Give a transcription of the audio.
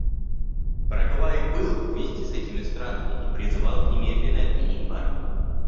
Парагвай был вместе с этими странами и призывал к немедленной отмене эмбарго.